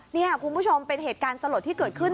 นี่คุณผู้ชมเป็นเหตุการณ์สลดที่เกิดขึ้น